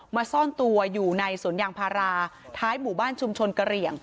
มาซ่อนตัวอยู่ในสวนอย่างภาราท้ายหมู่บ้านชุมชนเกรียง